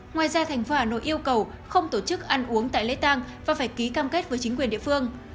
ngoài ra thành phố hà nội yêu cầu không tổ chức ăn uống tại lễ tăng và phải ký cam kết với chính quyền địa phương